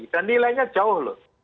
dan nilainya jauh loh